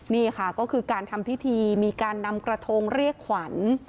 นี่ค่ะก็คือการทำพิธีมีการนำกระทงเรียกขวัญ